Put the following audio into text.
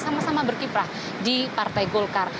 sama sama berkiprah di partai golkar